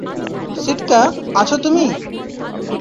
সিটকা, আছো তুমি?